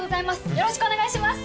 よろしくお願いします